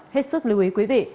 hết sức lưu ý quý vị